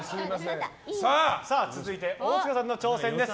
続いて、大塚さんの挑戦です。